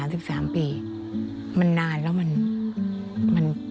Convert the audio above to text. มันนานแล้วมันผ่านอะไรมามากมาย